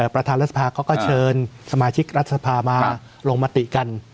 ประธานรัฐสภาเขาก็เชิญสมาชิกรัฐสภามาลงมติกัน